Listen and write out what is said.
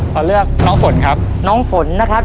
ขอเลือกน้องฝนครับ